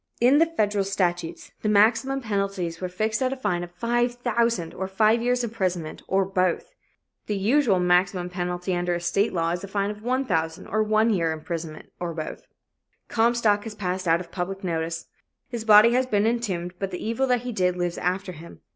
In the federal statutes, the maximum penalties were fixed at a fine of $5,000 or five years imprisonment, or both. The usual maximum penalty under a state law is a fine of $1,000 or one year's imprisonment, or both. Comstock has passed out of public notice. His body has been entombed but the evil that he did lives after him.